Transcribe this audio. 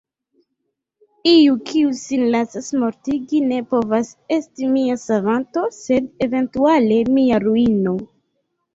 Iu kiu sin lasas mortigi ne povas esti mia savanto, sed eventuale mia ruino.